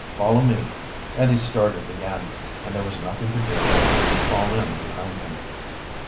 Follow me." And he started again, and there was nothing to do but to fall in behind him.